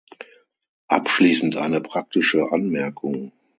Abschließend eine praktische Anmerkung.